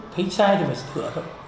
thấy sai thì phải sửa thôi